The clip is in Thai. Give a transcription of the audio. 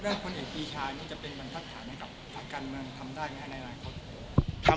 ประกันมันทำได้ไหมนะในหลายครบ